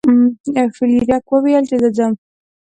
فلیریک وویل چې زه ځم.